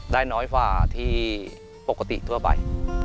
ได้น้อยกว่าที่ปกติทั่วไป